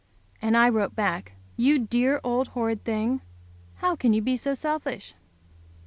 And I wrote back. "You dear old horrid thing. How can you be so selfish?"